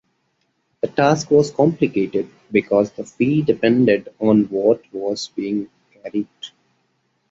The task was complicated because the fee depended on what was being carried.